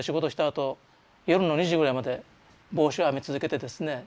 あと夜の２時ぐらいまで帽子を編み続けてですね